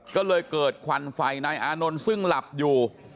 ก็เลยเกิดควันไฟนายอานนท์ซึ่งหลับอยู่